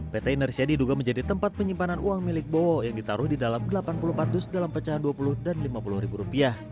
pt inersia diduga menjadi tempat penyimpanan uang milik bosidik pangarso yang ditaruh di dalam delapan puluh patus dalam pecahan dua puluh dan lima puluh ribu rupiah